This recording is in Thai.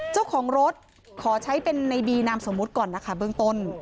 เจ้าของรถขอใช้เป็นในบีนามสมมุติก่อนนะคะเบื้องต้น